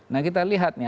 nah kita lihat nih